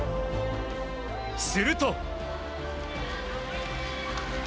すると。